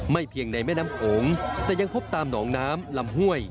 เพียงในแม่น้ำโขงแต่ยังพบตามหนองน้ำลำห้วย